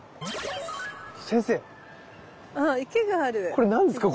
これ何ですか？